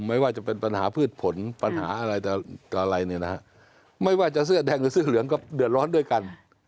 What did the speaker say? ไม่ว่าจะเป็นปัญหาพืชผลปัญหาอะไรแต่อะไรเนี่ยนะฮะไม่ว่าจะเสื้อแดงหรือเสื้อเหลืองก็เดือดร้อนด้วยกัน